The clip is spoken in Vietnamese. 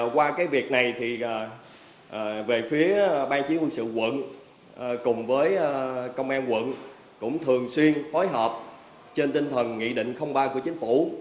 qua việc này thì về phía bang chiến quân sự quận cùng với công an quận cũng thường xuyên phối hợp trên tinh thần nghị định ba của chính phủ